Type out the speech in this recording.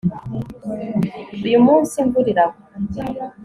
uyu munsi imvura iragwa